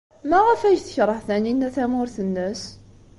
Maɣef ay tekṛeh Taninna tamurt-nnes?